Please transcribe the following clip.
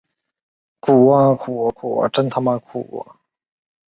这是香港电视史上第一次电视股权大转让。